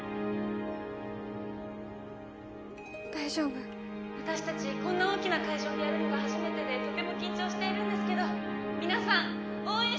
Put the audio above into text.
大丈夫私たちこんな大きな会場でやるのが初めてでとても緊張しているんですけど皆さん応援してくれますか？